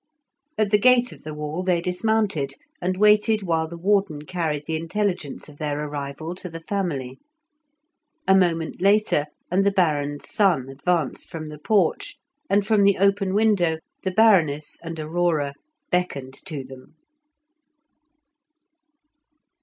At the gate of the wall they dismounted, and waited while the warden carried the intelligence of their arrival to the family. A moment later, and the Baron's son advanced from the porch, and from the open window the Baroness and Aurora beckoned to them.